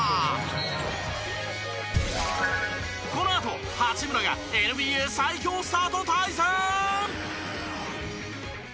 このあと八村がＮＢＡ最強スターと対戦！